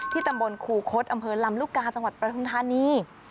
ตำบลครูคดอำเภอลำลูกกาจังหวัดประทุมธานี